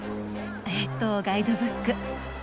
えとガイドブック。